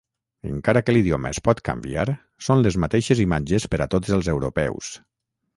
Encara que l'idioma es pot canviar, són les mateixes imatges per a tots els europeus.